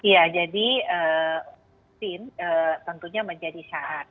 ya jadi vaksin tentunya menjadi syarat